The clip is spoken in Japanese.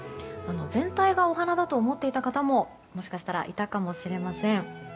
全体がお花だと思っていた方ももしかしたらいたかもしれません。